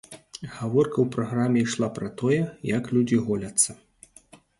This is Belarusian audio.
Гаворка ў праграме ішла пра тое, як людзі голяцца.